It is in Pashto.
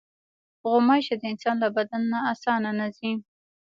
غوماشې د انسان له بدن نه اسانه نه ځي.